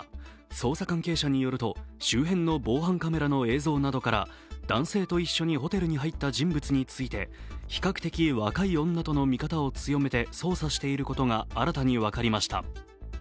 捜査関係者によると周辺の防犯カメラの映像などから男性と一緒にホテルに入った人物について比較的若い女との見方を強めて捜査していることが新たに分かりました。